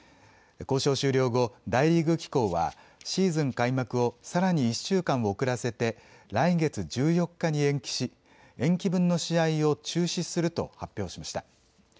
交渉終了後、大リーグ機構はシーズン開幕をさらに１週間遅らせて来月１４日に延期し延期分の試合を中止すると発表しました。